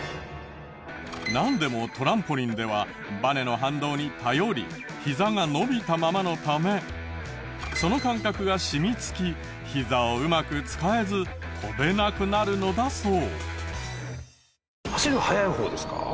なんでもトランポリンではバネの反動に頼りヒザが伸びたままのためその感覚が染みつきヒザをうまく使えず跳べなくなるのだそう。